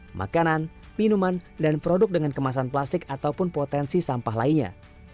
perusahaan produk elektronik makanan minuman dan produk dengan kemasan plastik ataupun potensi sampah lainnya